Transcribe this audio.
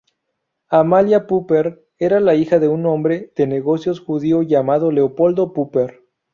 Amalia Popper era la hija de un hombre de negocios judío llamado Leopoldo Popper.